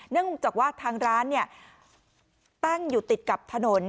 เนื่องจากว่าทางร้านตั้งอยู่ติดกับถนน